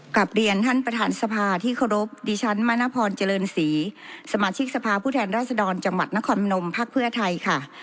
กลับเรียนท่านประธานสภาที่เคารพดิฉันมณพรเจริญศรีสมาชิกสภาพผู้แทนราชดรจังหวัดนครพนมพักเพื่อไทยค่ะ